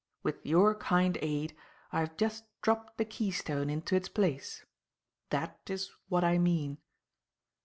With your kind aid, I have just dropped the keystone into its place. That is what I mean."